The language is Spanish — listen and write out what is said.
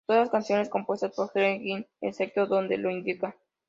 Todas las canciones compuestas por Greg Ginn, excepto donde lo indica.